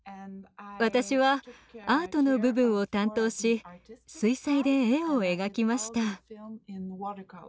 私はアートの部分を担当し水彩で絵を描きました。